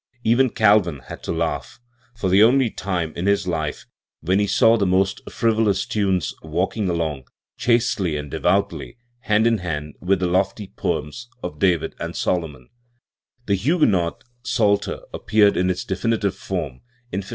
Even Calvin had to laugh, for the only time in his life when he saw the most frivolous tunes walking along, chastely and devoutly, hand in hand with the lofty poems of David and Solomon, The Huguenot Psalter appeared in its definitive form in 1562.